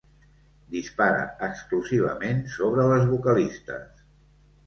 Dispara exclusivament sobre les vocalistes.